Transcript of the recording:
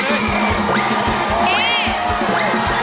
เร็ว